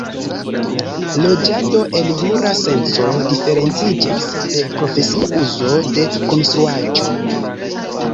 Loĝado en jura senco diferenciĝas de profesia uzo de konstruaĵo.